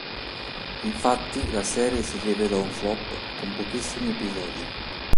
Infatti la serie si rivelò un flop con pochissimi episodi.